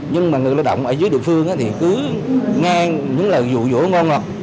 nhưng mà người lao động ở dưới địa phương thì cứ ngang những lời dụ dỗ ngon ngọt